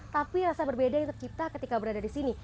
tapi rasa berbeda yang tercipta ketika berada di sini